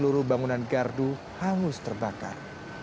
seluruh bangunan gardu hangus terbakar